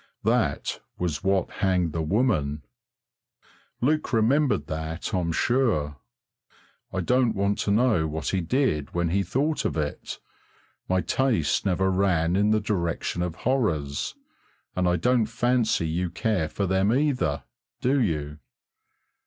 That was what hanged the woman. Luke remembered that, I'm sure. I don't want to know what he did when he thought of it; my taste never ran in the direction of horrors, and I don't fancy you care for them either, do you?